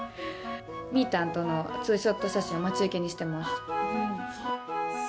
みぃたんとのツーショット写真を待ち受けにしてます。